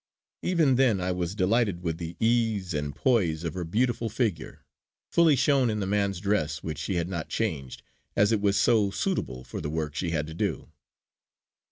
Even then I was delighted with the ease and poise of her beautiful figure, fully shown in the man's dress which she had not changed, as it was so suitable for the work she had to do.